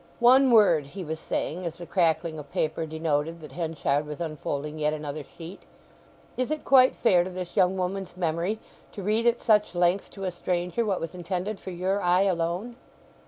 "One word," he was saying, as the crackling of paper denoted that Henchard was unfolding yet another sheet. "Is it quite fair to this young woman's memory to read at such length to a stranger what was intended for your eye alone?"